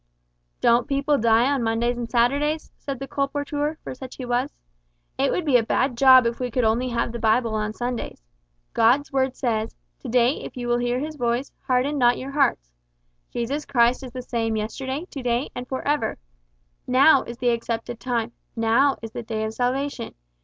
"Don't people die on Mondays and Saturdays?" said the colporteur, for such he was. "It would be a bad job if we could only have the Bible on Sundays. God's Word says, `To day if ye will hear His voice, harden not your hearts.' `Jesus Christ is the same yesterday, to day, and for ever.' `_Now_ is the accepted time, now is the day of salvation.'